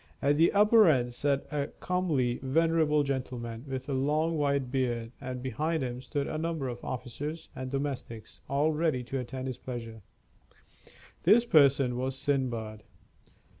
At the upper end sat a comely, venerable gentleman, with a long white beard, and behind him stood a number of officers and domestics, all ready to attend his pleasure. This person was Sindbad.